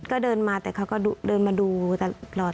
ก็เดินมาแต่เขาก็เดินมาดูตลอด